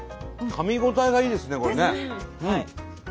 かみ応えがいいですねこれね。